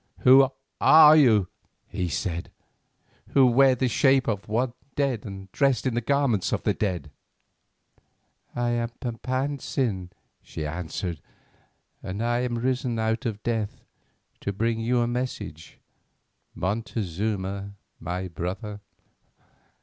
"Who are you?" he said, "who wear the shape of one dead and are dressed in the garments of the dead?" "I am Papantzin," she answered, "and I am risen out of death to bring you a message, Montezuma, my brother."